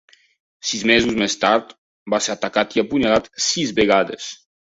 Sis mesos més tard, va ser atacat i apunyalat sis vegades.